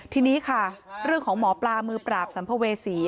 ทีนี้ค่ะเรื่องของหมอปลามือปราบสัมภเวษี